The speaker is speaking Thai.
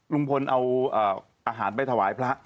ลุงพลเอาอาหารไปถวายพระ